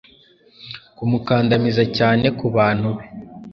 Kumukandamiza cyanekubantu be